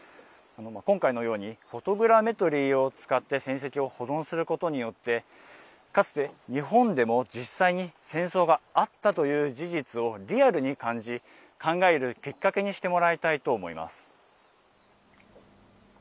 今回のように、フォトグラメトリーを使って戦跡を保存することによって、かつて日本でも実際に戦争があったという事実をリアルに感じ、考えるきっかけにしてもらいたいと思います。